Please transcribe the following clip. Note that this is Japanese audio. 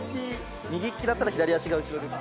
右利きだったら左足が後ろですね。